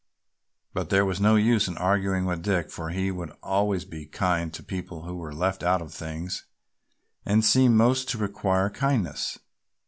But there was no use in arguing with Dick, for he would always be kind to the people who were left out of things and seemed most to require kindness.